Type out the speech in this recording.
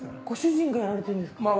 ご主人がやられてるんですか？